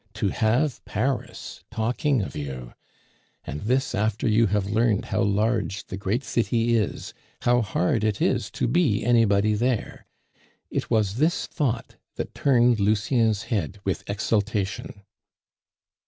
To have Paris talking of you! and this after you have learned how large the great city is, how hard it is to be anybody there it was this thought that turned Lucien's head with exultation.